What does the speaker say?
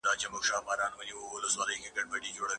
تاریخ د ماضي تکرار نه دی.